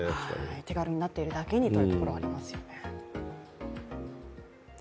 手軽になっているだけにというのがありますね